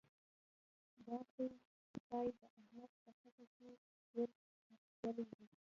دا خوی؛ خدای د احمد په خټه کې ور اخښلی دی.